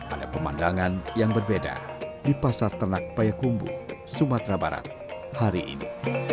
ada pemandangan yang berbeda di pasar ternak payakumbu sumatera barat hari ini